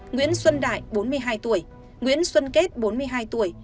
nguyễn xuân đại bốn mươi hai tuổi nguyễn xuân kết bốn mươi hai tuổi